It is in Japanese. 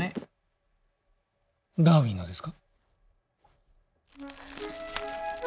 ダーウィンのですか？